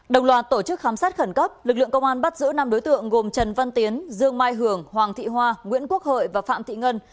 đồng loạt tổ chức khám xét khẩn cấp lực lượng công an bắt giữ năm đối tượng gồm trần văn tiến dương mai hưởng hoàng thị hoa nguyễn quốc hợi và phạm thị ngân